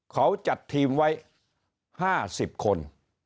เขาจัดทีมไว้ห้าสิบคน